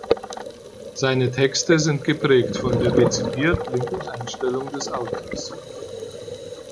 Seine Texte sind geprägt von der dezidiert linken Einstellung des Autors.